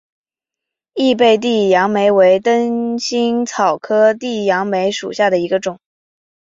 异被地杨梅为灯心草科地杨梅属下的一个种。